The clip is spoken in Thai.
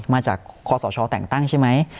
มาจากคอสชแต่งตั้งใช่ไหม